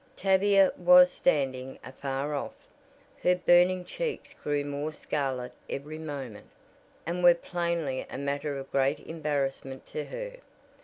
Tavia was "standing afar off." Her burning cheeks grew more scarlet every moment, and were plainly a matter of great embarrassment to her.